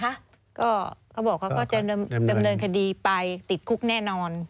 เขาบอกเขาก็จะดำเนินคดีไปติดคุกแน่นอน